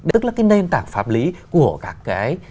tức là cái nền tảng pháp lý của các cái